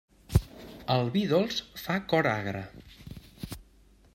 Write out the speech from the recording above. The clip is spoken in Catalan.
El vi dolç fa coragre.